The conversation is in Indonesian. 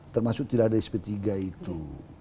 termasuk tidak ada sp tiga itu